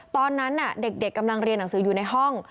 ตอนนั้นเด็กกำลังเรียนหนังสืออยู่ในห้อง